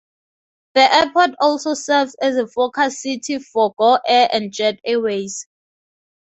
The airport also serves as a focus city for GoAir and Jet Airways.